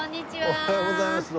おはようございます。